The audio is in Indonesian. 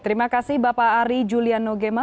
terima kasih bapak ari juliano gema